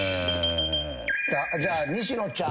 じゃあ西野ちゃん。